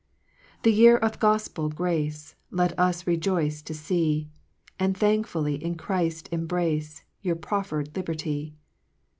2 The year of gofpel grace Like us rejoice to fee, And thankfully in Christ embrace, Your proffcr'd liberty.